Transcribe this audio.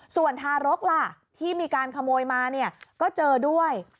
ส่วนทารกล่ะที่มีการขโมยมาเนี่ยก็เจอด้วย